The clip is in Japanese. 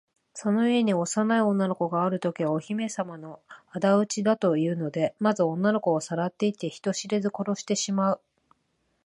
その家に幼い女の子があるときは、お姫さまのあだ討ちだというので、まず女の子をさらっていって、人知れず殺してしまう。